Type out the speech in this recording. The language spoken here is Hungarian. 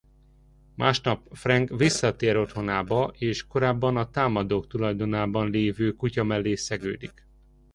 Másnap Frank visszatér otthonába és a korábban a támadók tulajdonában lévő kutya mellé szegődik.